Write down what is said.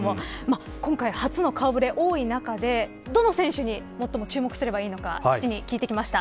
今回初の顔触れ多い中で、どの選手に最も注目すればいいのか父に聞いてきました。